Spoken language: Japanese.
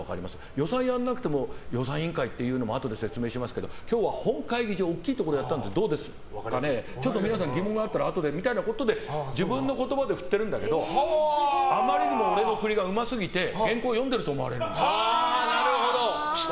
予算をやらなくても予算委員会っていうのはあとで説明しますけど今日は本会議場大きいところでやったんですけど皆さん、疑問があればみたいな自分の言葉で振ってるんだけどあまりにも俺の振りがうますぎて原稿を読んでると思われるんですよ。